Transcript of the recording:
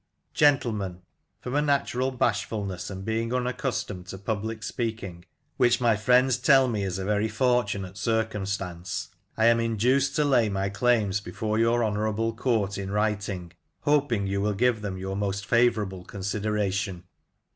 "Gentlemen, — From a natural bashfulness, and being unaccustomed to public speaking, which my friends tell me is a very fortunate circumstance, I am induced to lay my claims before your honourable court in writing, hoping you will give them your most favourable consideration.